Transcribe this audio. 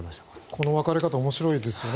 この分かれ方面白いですよね。